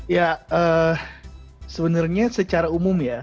ya sebenarnya secara umum ya